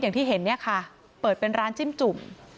อย่างที่เห็นเนี่ยค่ะเปิดเป็นร้านจิ้มจุ่ม